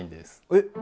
えっ？